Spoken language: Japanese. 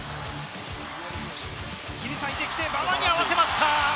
切り裂いてきて、馬場に合わせました！